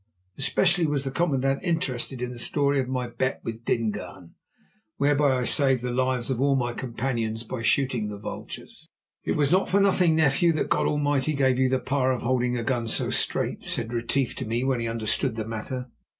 Especially was the commandant interested in the story of my bet with Dingaan, whereby I saved the lives of all my companions by shooting the vultures. "It was not for nothing, nephew, that God Almighty gave you the power of holding a gun so straight," said Retief to me when he understood the matter.